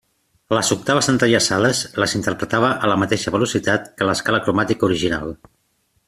Les octaves entrellaçades les interpretava a la mateixa velocitat que l'escala cromàtica original.